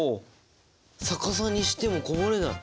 逆さにしてもこぼれない！